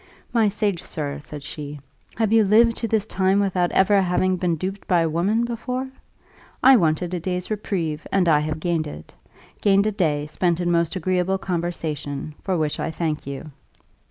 "My sage sir," said she, "have you lived to this time without ever having been duped by a woman before? I wanted a day's reprieve, and I have gained it gained a day, spent in most agreeable conversation, for which I thank you.